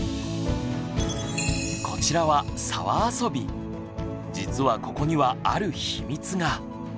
こちらは実はここにはある秘密が。